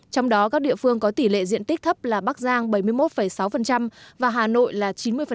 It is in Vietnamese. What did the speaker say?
trong đó các địa phương có tỷ lệ diện tích thấp là bắc giang bảy mươi một sáu và hà nội là chín mươi